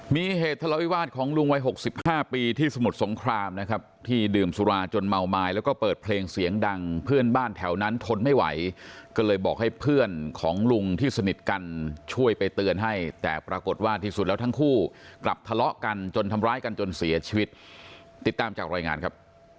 มีเหตุทะเลาวิวาสของลุงวัย๖๕ปีที่สมุทรสงครามนะครับที่ดื่มสุราจนเมาไม้แล้วก็เปิดเพลงเสียงดังเพื่อนบ้านแถวนั้นทนไม่ไหวก็เลยบอกให้เพื่อนของลุงที่สนิทกันช่วยไปเตือนให้แต่ปรากฏว่าที่สุดแล้วทั้งคู่กลับทะเลาะกันจนทำร้ายกันจนเสียชีวิตติดตามจากรายงานครับ